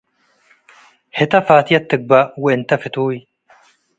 ህተ ፋትየት ትግበእ ወእንተ ፍቱይ